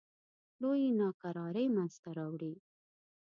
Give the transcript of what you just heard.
لویې ناکرارۍ منځته راوړې.